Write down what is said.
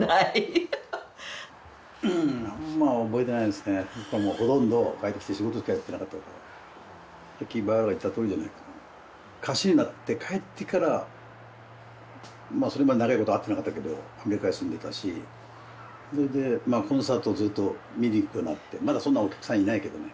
どうもどうも父の久さんは当時激務に追われ共に過ごせる時間は少なかったさっきバーバラが言ったとおりじゃないかな歌手になって帰ってからまぁそれまで長いこと会ってなかったけどアメリカに住んでたしそれでコンサートずっと見に行くようになってまだそんなお客さんいないけどね